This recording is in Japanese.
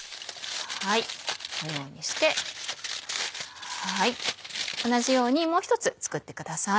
このようにして同じようにもう一つ作ってください。